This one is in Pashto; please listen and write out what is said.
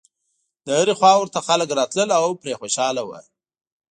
له هرې خوا ورته خلک راتلل او پرې خوشاله و.